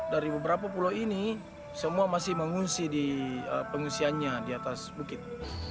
dari beberapa pulau ini semua masih mengungsi di pengungsiannya di atas bukit